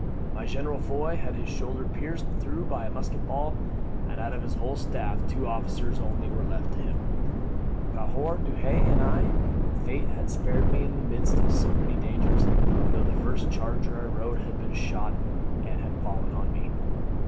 My General, Foy, had his shoulder pierced through by a musket ball: and out of his whole staff two officers only were left to him, Cahour Duhay and I. Fate had spared me in the midst of so many dangers, though the first charger I rode had been shot and had fallen on me.